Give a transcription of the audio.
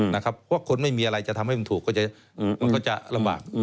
เพราะคนไม่มีอะไรจะทำให้มันถูกก็จะลำบาก